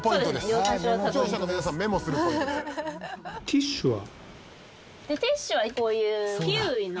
ティッシュはこういう。